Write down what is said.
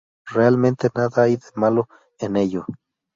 Realmente nada hay de malo en ello.